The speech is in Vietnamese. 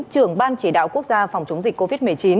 trưởng ban chỉ đạo quốc gia phòng chống dịch covid một mươi chín